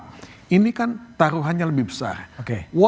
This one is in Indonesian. juga memutuskan pemurutan suara ulang di beberapa tempat